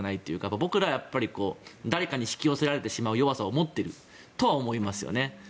僕らは誰かに引き寄せられてしまう弱さを持っていると思いますよね。